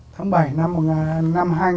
tháng bảy năm